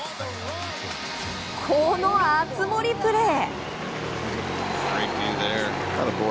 この熱盛プレー。